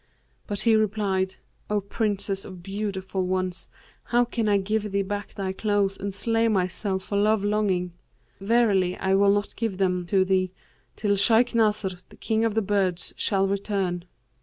But he replied, 'O Princess of beautiful ones, how can I give thee back thy clothes and slay myself for love longing? Verily, I will not give them to thee, till Shaykh Nasr, the king of the birds, shall return.'